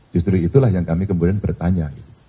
justru itulah yang kami kemudian bertanya